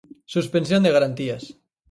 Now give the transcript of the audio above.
Suspensión de garantías.